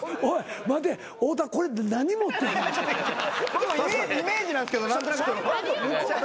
僕もイメージなんですけど何となく。